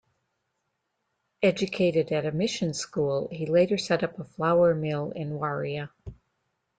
Educated at a mission school, he later set up a flour mill in Warea.